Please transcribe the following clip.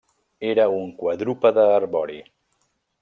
Era un quadrúpede arbori.